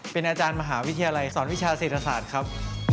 เป็นอาจารย์มหาวิทยาลัยสอนวิชาเศรษฐศาสตร์ครับ